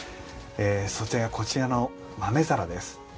そちらがこちらの豆皿です。